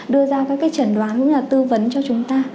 đưa ra các cái trần đoán cũng như là tư vấn cho chúng ta